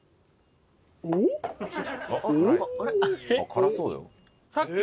辛そうだよ。